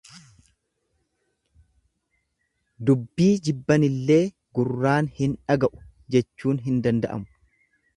Dubbii jibbanillee gurraan hin dhaga'u jechuun hin danda'amu.